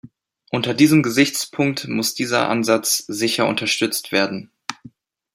Unter diesem Gesichtspunkt muss dieser Ansatz sicher unterstützt werden.